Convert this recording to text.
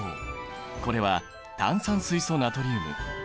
これは炭酸水素ナトリウム。